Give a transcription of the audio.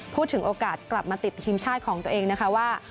พูดถึงโอกาสกลับมาติดทีมชาติของตัวเองนะคะว่า